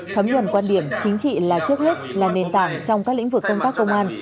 thấm nhuần quan điểm chính trị là trước hết là nền tảng trong các lĩnh vực công tác công an